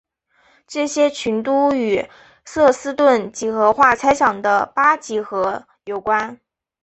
这些群都与瑟斯顿几何化猜想的八几何有关。